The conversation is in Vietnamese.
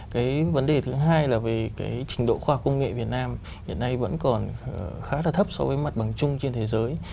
cái vấn đề thứ hai là về cái trình độ khoa công nghệ việt nam hiện nay vẫn còn khá là thấp so với mặt bằng chung trên thế giới